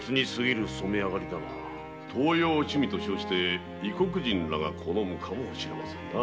“東洋趣味”と異国人らが好むかもしれませんな。